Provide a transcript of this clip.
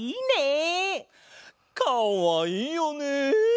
かわいいよねえ！